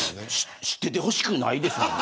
知っててほしくないですもん。